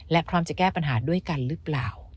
และพร้อมจะแก้ปัญหาด้วยกันหรือเปล่า